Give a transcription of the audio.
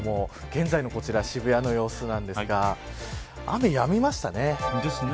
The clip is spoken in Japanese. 現在のこちら渋谷の様子なんですが雨やみましたね。